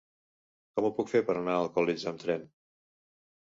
Com ho puc fer per anar a Alcoletge amb tren?